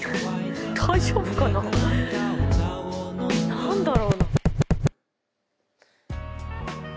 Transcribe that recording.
何だろうな。